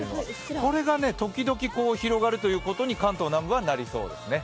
これが時々広がるということに関東南部はなりそうです。